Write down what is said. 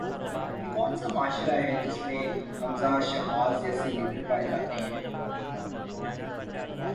یہ کون سا معاشرہ ہے جس میں حمزہ شہباز جیسے لیڈر پائے جاتے ہیں؟